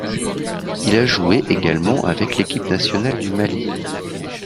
Il a joué également avec l’équipe nationale du Mali.